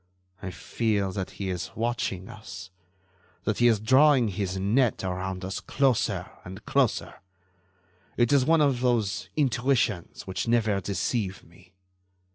I feel that he is watching us—that he is drawing his net around us closer and closer. It is one of those intuitions which never deceive me."